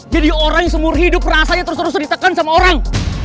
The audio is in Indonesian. jadi orang yang seumur hidup rasanya terus terusan ditekan sama orang